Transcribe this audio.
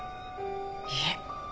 いえ。